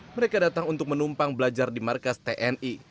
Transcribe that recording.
mereka datang untuk menumpang belajar di markas tni